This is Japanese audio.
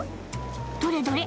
どれどれ？